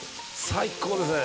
「最高ですね」